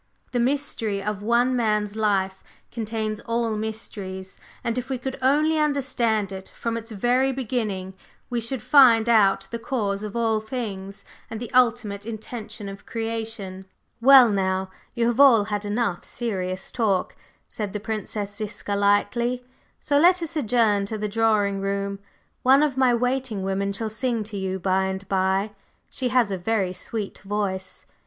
The mystery of one man's life contains all mysteries, and if we could only understand it from its very beginning we should find out the cause of all things, and the ultimate intention of creation." "Well, now, you have all had enough serious talk," said the Princess Ziska lightly, "so let us adjourn to the drawing room. One of my waiting women shall sing to you by and by; she has a very sweet voice."